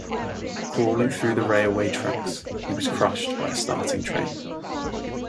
Crawling through the railway tracks, he was crushed by a starting train.